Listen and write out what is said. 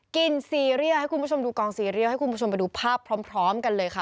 ซีเรียสให้คุณผู้ชมดูกองซีเรียสให้คุณผู้ชมไปดูภาพพร้อมกันเลยค่ะ